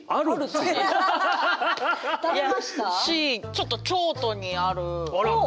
ちょっと京都にある。